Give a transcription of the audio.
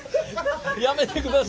やめてください。